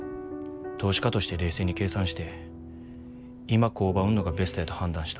投資家として冷静に計算して今工場を売んのがベストやと判断した。